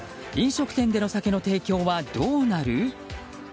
飲食店での酒の提供はどうなる？